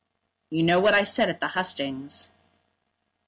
"You know what I said at the hustings."